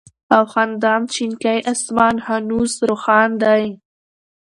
او خندان شينكى آسمان هنوز روښان دى